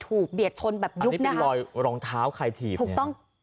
ถูกเบียดชนแบบยุบนะครับอันนี้เป็นรอยรองเท้าใครถีบถูกต้อง